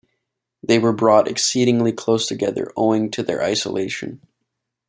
They were brought exceedingly close together owing to their isolation.